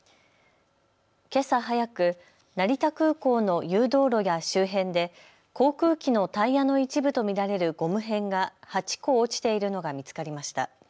けさ早く、成田空港の誘導路や周辺で航空機のタイヤの一部と見られるゴム片が８個落ちているのが見つかりました。